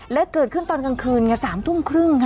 และเกิดขึ้นตอนกลางคืนไง๓ทุ่มครึ่งค่ะ